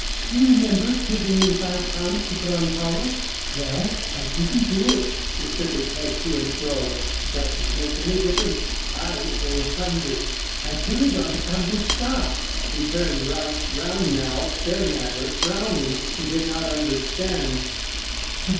"You remember giving me five pounds to put on Paulus? Well, I didn't do it." He shook his head to and fro. "It doesn't make any difference. I owe hundreds." "I put it on Ambuscade." He turned right round now staring at her, frowning. He did not understand.